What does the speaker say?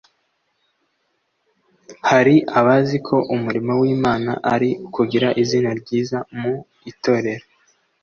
hari abazi ko umurimo w’Imana ari ukugira izina ryiza mu itorero